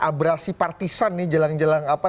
abrasi partisan nih jelang jelang apa